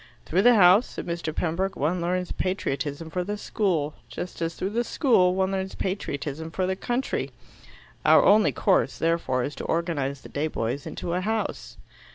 "Through the House," said Mr. Pembroke, "one learns patriotism for the school, just as through the school one learns patriotism for the country. Our only course, therefore, is to organize the day boys into a House."